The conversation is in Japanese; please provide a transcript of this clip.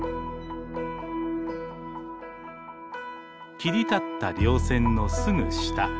切り立ったりょう線のすぐ下。